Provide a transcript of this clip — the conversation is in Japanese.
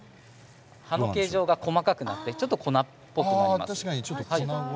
葉っぱの形状が細かくなってちょっと粉っぽくなりますね。